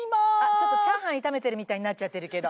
ちょっとチャーハン炒めてるみたいになっちゃってるけど。